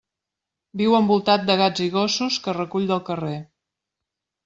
Viu envoltat de gats i gossos que recull del carrer.